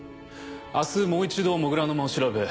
明日もう一度土竜の間を調べ